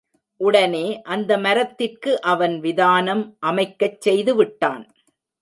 உடனே அந்த மரத்திற்கு அவன் விதானம் அமைக்கச் செய்து விட்டான்.